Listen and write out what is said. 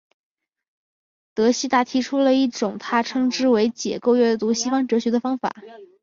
德希达提出了一种他称之为解构阅读西方哲学的方法。